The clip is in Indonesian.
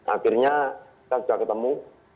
akhirnya kita sudah ketemu